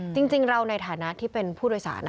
จริงเราในฐานะที่เป็นผู้โดยสาร